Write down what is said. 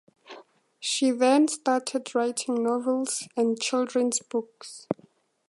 She then started writing novels and children's books.